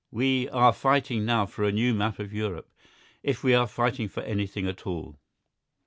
We are fighting now for a new map of Europe if we are fighting for anything at all.